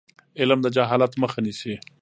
علم د جهالت مخه نیسي.